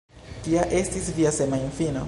Kia estis via semajnfino?